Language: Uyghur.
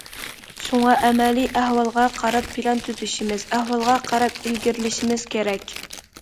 شۇڭا، ئەمەلىي ئەھۋالغا قاراپ پىلان تۈزۈشىمىز، ئەھۋالغا قاراپ ئىلگىرىلىشىمىز كېرەك.